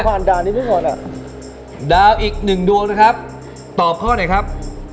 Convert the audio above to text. ด่านนี้ไปก่อนอ่ะดาวอีกหนึ่งดวงนะครับตอบข้อไหนครับ